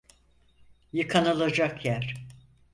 Yıkanılacak yer.